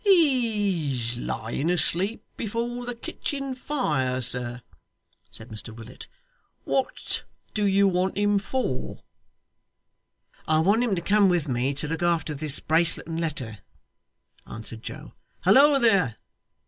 'He's lying asleep before the kitchen fire, sir,' said Mr Willet. 'What do you want him for?' 'I want him to come with me to look after this bracelet and letter,' answered Joe. 'Halloa there!